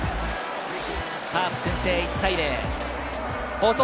カープ先制、１対０。